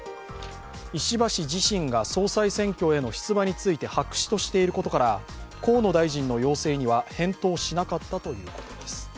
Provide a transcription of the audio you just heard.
石破氏自身が総裁選挙への出馬について白紙としていることから、河野大臣の要請には返答しなかったということです。